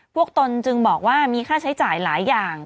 ตนจึงบอกว่ามีค่าใช้จ่ายหลายอย่าง